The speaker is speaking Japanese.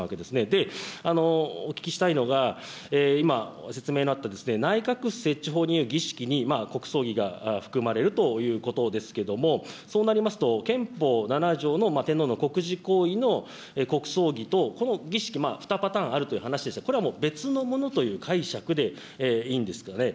で、お聞きしたいのが、今、説明のあった内閣府設置法の儀式に国葬儀が含まれるということですけども、そうなりますと、憲法７条の天皇の国事行為の国葬儀と、この儀式、２パターンあるという話でしたが、これは、もう別のものという解釈でいいんですかね。